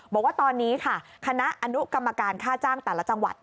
บอกว่าตอนนี้ค่ะคณะอนุกรรมการค่าจ้างแต่ละจังหวัด